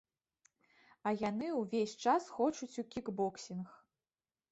А яны ўвесь час хочуць у кікбоксінг.